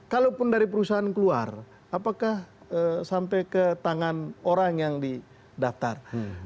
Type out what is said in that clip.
kalaupun dari perusahaan keluar apakah sampai ke tangan orang yang didaftar